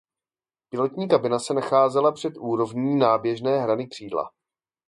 Pilotní kabina se nacházela před úrovní náběžné hrany křídla.